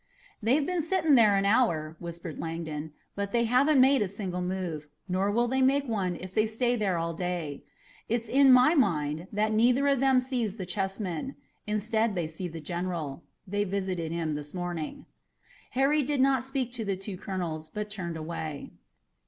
"They've been sitting there an hour," whispered Langdon, "but they haven't made a single move, nor will they make one if they stay there all day. It's in my mind that neither of them sees the chessmen. Instead they see the General they visited him this morning." Harry did not speak to the two colonels, but turned away.